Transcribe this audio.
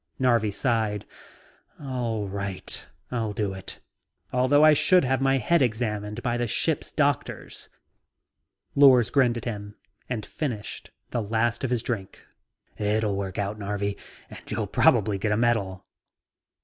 Narvi sighed. "All right. I'll do it, although I should have my head examined by the ship's doctors." Lors grinned at him and finished the last of his drink. "It'll work out, Narvi, and you'll probably get a medal."